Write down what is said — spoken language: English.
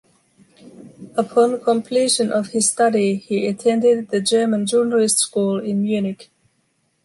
Upon completion of his study, he attended the German Journalist School in Munich.